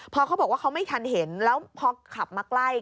พอเขาบอกว่าเขาไม่ทันเห็นแล้วพอขับมาใกล้